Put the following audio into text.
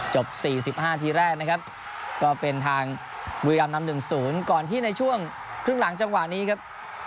จบ๔๕ทีแรกนะครับก็เป็นทางบุรีรำนำ๑๐ก่อนที่ในช่วงครึ่งหลังจังหวะนี้ครับ